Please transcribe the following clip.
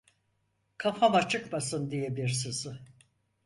Kafama çıkmasın diye bir sızı.